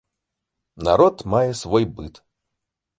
Народ мае свой быт.